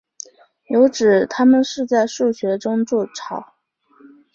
有指它们是在树穴中筑巢。